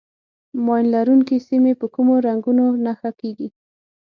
ماین لرونکي سیمې په کومو رنګونو نښه کېږي.